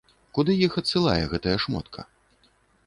Куды іх адсылае гэтая шмотка?